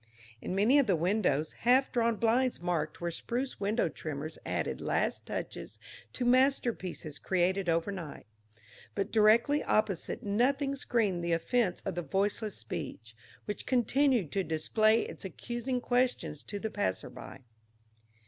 In many of the windows half drawn blinds marked where spruce window trimmers added last touches to masterpieces created overnight, but directly opposite nothing screened the offense of the Voiceless Speech, which continued to display its accusing questions to the passer by.